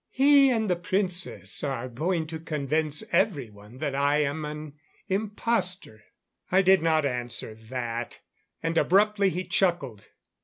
"He and the Princess are going to convince everyone that I am an impostor." I did not answer that; and abruptly he chuckled.